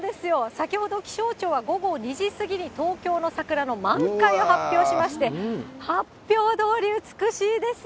先ほど、気象庁は午後２時過ぎに東京の桜の満開を発表しまして、本当、きれい。